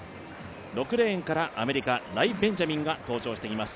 ６レーンからアメリカライ・ベンジャミンが登場しています。